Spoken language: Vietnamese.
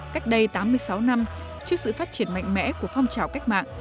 cách đây tám mươi sáu năm trước sự phát triển mạnh mẽ của phong trào cách mạng